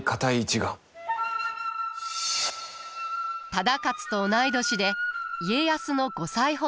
忠勝と同い年で家康の５歳ほど年下。